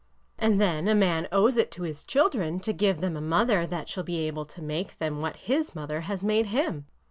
'' And then a man owes it to his children to give them a mother that shall be able to make them what his mother has made him.